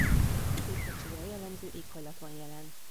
Középhegységre jellemző éghajlat van jelen.